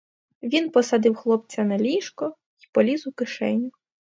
Він посадив хлопця на ліжко й поліз у кишеню.